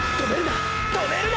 止めるな！！